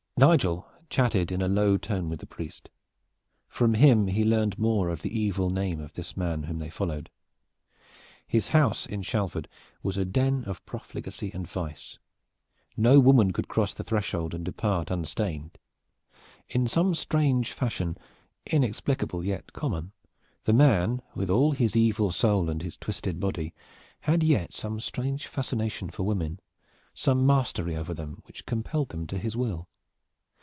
Nigel chatted in a low tone with the priest. From him he learned more of the evil name of this man whom they followed. His house at Shalford was a den of profligacy and vice. No woman could cross that threshold and depart unstained. In some strange fashion, inexplicable and yet common, the man, with all his evil soul and his twisted body, had yet some strange fascination for women, some mastery over them which compelled them to his will.